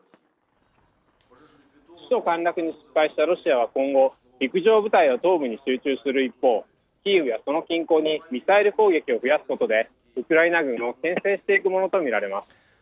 首都陥落に失敗したロシアは今後、陸上部隊を東部に集中する一方、キーウやその近郊にミサイル攻撃を増やすことで、ウクライナ軍をけん制していくものと見られます。